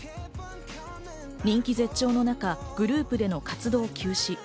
人気絶頂の中、グループでの活動を休止。